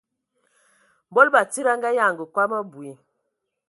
Mbol batsidi a nganyanga kom abui,